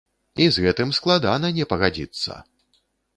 І з гэтым складана не пагадзіцца!